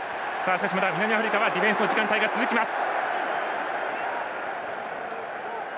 南アフリカのディフェンスの時間帯が続きます。